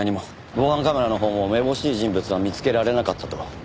防犯カメラのほうもめぼしい人物は見つけられなかったと。